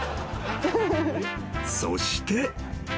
［そして］